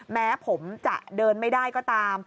แม้ผมจะเดินไม่ได้ก็ตาม